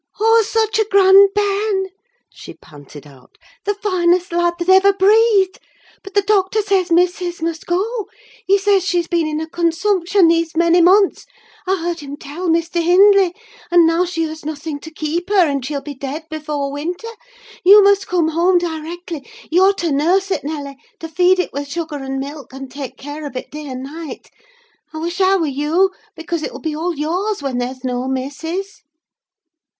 "Oh, such a grand bairn!" she panted out. "The finest lad that ever breathed! But the doctor says missis must go: he says she's been in a consumption these many months. I heard him tell Mr. Hindley: and now she has nothing to keep her, and she'll be dead before winter. You must come home directly. You're to nurse it, Nelly: to feed it with sugar and milk, and take care of it day and night. I wish I were you, because it will be all yours when there is no missis!"